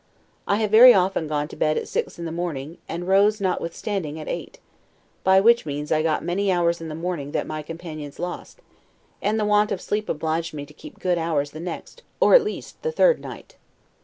I have very often gone to bed at six in the morning and rose, notwithstanding, at eight; by which means I got many hours in the morning that my companions lost; and the want of sleep obliged me to keep good hours the next, or at least the third night.